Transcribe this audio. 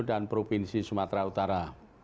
dan provinsi sumatera utara